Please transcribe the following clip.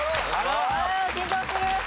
あ緊張する。